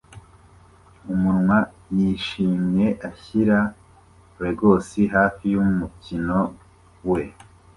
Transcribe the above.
Umwana yishimye ashyira Legos hafi yumukino we